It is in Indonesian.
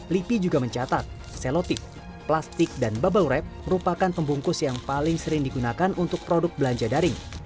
lipi juga mencatat selotik plastik dan bubble rap merupakan pembungkus yang paling sering digunakan untuk produk belanja daring